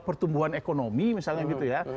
pertumbuhan ekonomi misalnya gitu ya